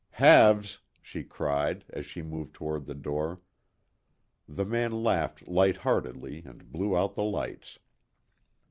"Halves," she cried, as she moved toward the door. The man laughed light heartedly and blew out the lights.